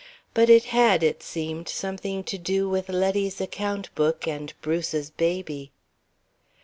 But it had, it seemed, something to do with Letty's account book and Bruce's baby....